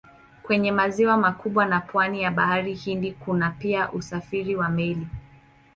Kwenye maziwa makubwa na pwani ya Bahari Hindi kuna pia usafiri wa meli.